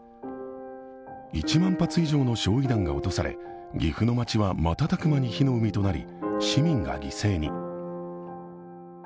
１万発以上の、焼い弾が落とされ岐阜の町は瞬く間に火の海となり市民が犠牲に。